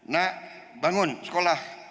nak bangun sekolah